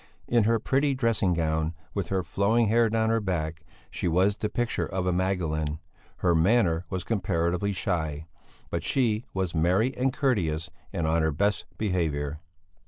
In her pretty dressing gown, with her flowing hair down her back, she was the picture of a Magdalene; her manner was comparatively shy, but she was merry and courteous and on her best behaviour.